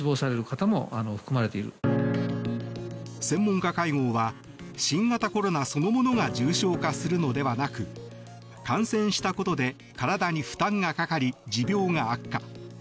専門家会合は新型コロナそのものが重症化するのではなく感染したことで体に負担がかかり持病が悪化。